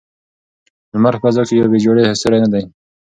لمر په فضا کې یو بې جوړې ستوری نه دی.